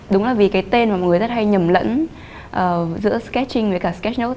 đúng là vì cái tên mà mọi người rất hay nhầm lẫn giữa sketching với cả sketch note